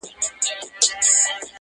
• چي یې وږي خپل اولاد نه وي لیدلي -